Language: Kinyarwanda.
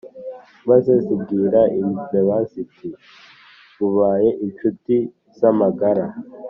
maze zibwira imbeba ziti « mubaye inshuti z' amagara.